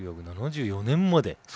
１９７４年まで。